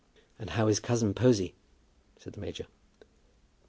"And how is cousin Posy?" said the major.